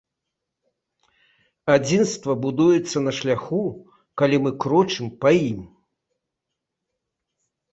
Адзінства будуецца на шляху, калі мы крочым па ім.